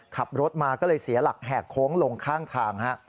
ขับรถมาก็เลยเสียหลักแหกโค้งลงข้างทางฮะ